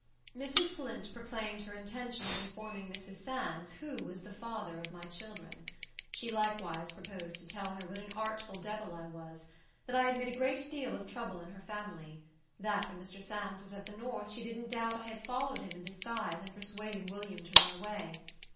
Mrs. Flint proclaimed her intention of informing Mrs. Sands who was the father of my children. She likewise proposed to tell her what an artful devil I was; that I had made a great deal of trouble in her family; that when Mr. Sands was at the north, she didn't doubt I had followed him in disguise, and persuaded William to run away.